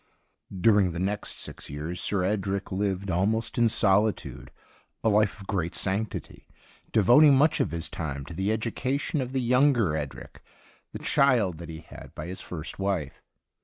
During the next six years Sir Edric lived, almost in solitude, a life of great sanctity, devoting much of his time to the education of the younger Edric, the child that he had by his first wife.